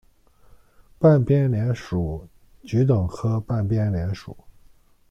半边莲属桔梗科半边莲属。